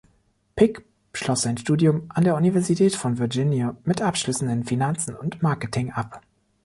Pic schloss sein Studium an der Universität von Virginia mit Abschlüssen in Finanzen und Marketing ab.